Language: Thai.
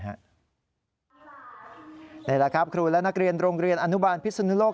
นี่แหละครับครูและนักเรียนโรงเรียนอนุบาลพิศนุโลก